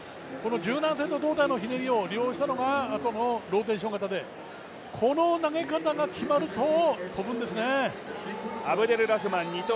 柔軟性の胴体のひねりを利用したのがこのローテーション型で、この投げ方が決まると飛ぶんですね。